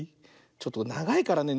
ちょっとながいからね